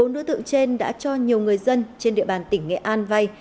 bốn đối tượng trên đã cho nhiều người dân trên địa bàn tỉnh nghệ an vay